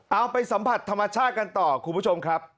เอาไปสัมผัสธรรมชาติกันต่อคุณผู้ชมครับ